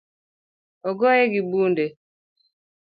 Ogoye gi bunde